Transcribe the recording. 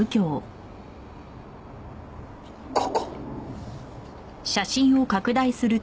ここ。